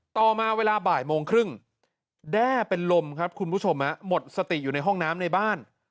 ต่อมาเวลาบ่ายโมงครึ่งแด้เป็นลมครับคุณผู้ชมหมดสติอยู่ในห้องน้ำในบ้าน